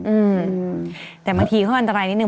อืมแต่บางทีเขาอันตรายนิดนึ